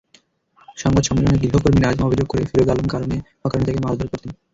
সংবাদ সম্মেলনে গৃহকর্মী নাজমা অভিযোগ করে, ফিরোজ আলম কারণে-অকারণে তাকে মারধর করতেন।